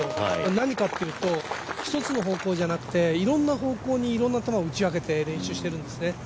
何かっていうと一つの方向じゃなくていろんな方向にいろんな球を打ち分けて練習しているんですね。